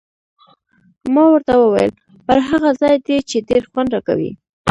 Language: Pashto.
ما ورته وویل: پر هغه ځای دې، چې ډېر خوند راکوي.